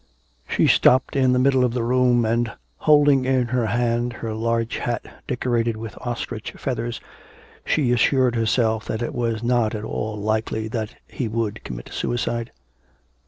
She stopped in the middle of the room, and, holding in her hand her large hat decorated with ostrich feathers, she assured herself that it was not at all likely that he would commit suicide.